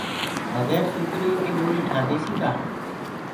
بگير سوتݪيو ڪي ٻوري ٺآ ديسي ڪآ۔